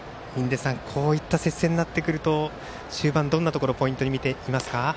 こういった接戦になってくると終盤、どんなところポイントに見ていますか。